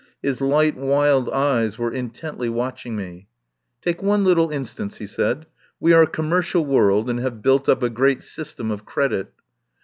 His light wild eyes were intently watching me. "Take one little instance," he said. "We are a commercial world, and have built up a great system of credit.